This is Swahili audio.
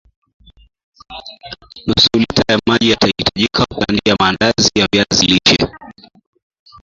nusulita ya maji yatahitajika kukandia maandazi ya viazi lishe